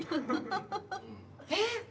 えっ⁉